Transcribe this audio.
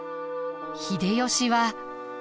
秀吉は。